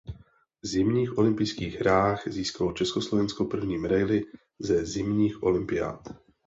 Zimních olympijských hrách získalo Československo první medaili ze zimních olympiád.